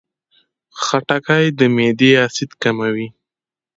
خټکی د معدې اسید کموي.